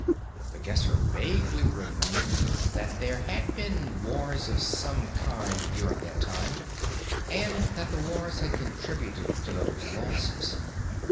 (The Guesser vaguely remembered that there had been wars of some kind during that time, and that the wars had contributed to those losses.)